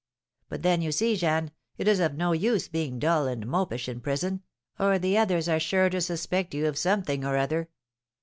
But then you see, Jeanne, it is of no use being dull and mopish in prison, or the others are sure to suspect you of something or other.